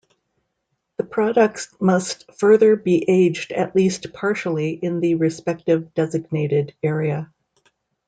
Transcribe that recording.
The products must further be aged at least partially in the respective designated area.